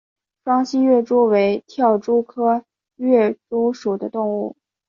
双栖跃蛛为跳蛛科跃蛛属的动物。